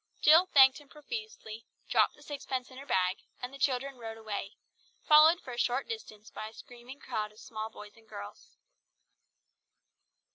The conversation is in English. Jill thanked him profusely, dropped the sixpence in her bag, and the children rode away, followed for a short distance by a screaming crowd of small boys and girls.